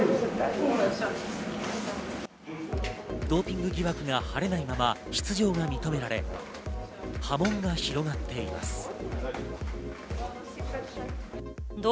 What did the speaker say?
ドーピング疑惑が晴れないまま出場が認められ、波紋が広がっています。